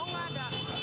oh nggak ada